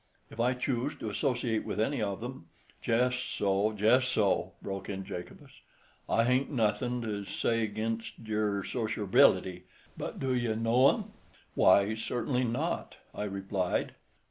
"If I choose to associate with any of them——" "Jess so—jess so!" broke in Jacobus. "I hain't nothin' to say ag'inst yer sosherbil'ty. But do ye know them?" "Why, certainly not," I replied.